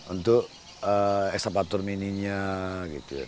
untuk eskapatur mininya gitu ya